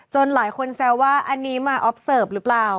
หลายคนแซวว่าอันนี้มาออฟเสิร์ฟหรือเปล่า